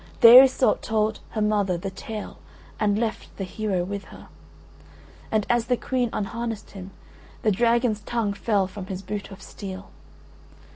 There Iseult told her mother the tale and left the hero with her, and as the Queen unharnessed him, the dragon's tongue fell from his boot of steel.